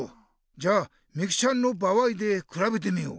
じゃあみきちゃんの場合でくらべてみよう。